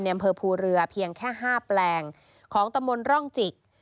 อำเภอภูเรือเพียงแค่๕แปลงของตำบลร่องจิก